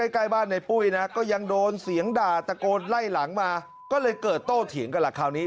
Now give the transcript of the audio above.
ใกล้บ้านในปุ้ยนะก็ยังโดนเสียงด่าตะโกนไล่หลังมาก็เลยเกิดโตเถียงกันล่ะคราวนี้